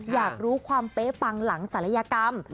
อยากรู้ความเป๊ะปังหลังศัลยกรรม